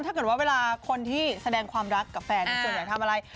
ถ้าเกิดว่าเวลาคนที่แสดงความรักกับแฟนส่วนใหญ่ทำอะไร